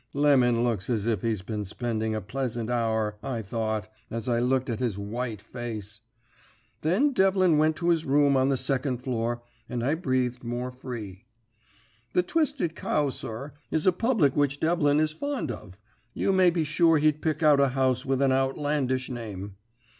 "'Lemon looks as if he'd been spending a pleasant hour,' I thought, as I looked at his white face. "Then Devlin went to his room on the second floor, and I breathed more free. "The Twisted Cow, sir, is a public which Devlin is fond of. You may be sure he'd pick out a house with a outlandish name.